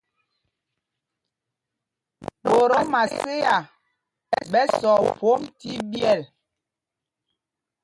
Ɓot o Maséa ɓɛ sɔɔ phwómb tí ɓyɛ́l.